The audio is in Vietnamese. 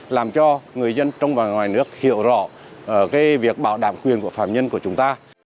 làm cho người dân trong và ngoài nước hiểu rõ việc bảo đảm quyền của phạm nhân của chúng ta